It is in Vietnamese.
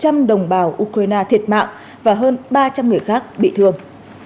trong khi đó một trăm linh đồng bào ukraine thiệt mạng và hơn ba trăm linh người khác bị thương